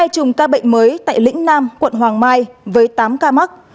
hai chùm ca bệnh mới tại lĩnh nam quận hoàng mai với tám ca mắc